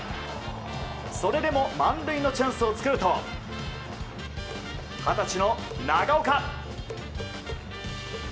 それでも満塁のチャンスを作ると二十歳の長岡。